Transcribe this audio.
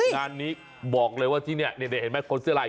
งานนี้บอกเลยว่าที่นี่เห็นไหมคนเสื้อลาย